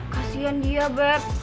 kasian dia beb